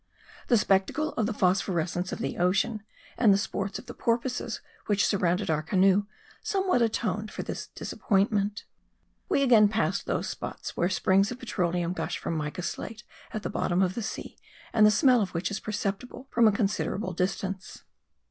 The spectacle of the phosphorescence of the ocean and the sports of the porpoises which surrounded our canoe somewhat atoned for this disappointment. We again passed those spots where springs of petroleum gush from mica slate at the bottom of the sea and the smell of which is perceptible from a considerable distance.